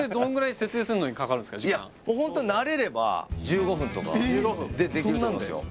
これいやホント慣れれば１５分とかでできると思いますよ